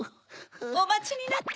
おまちになって。